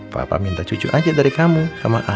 papa minta cucu aja dari kamu sama anak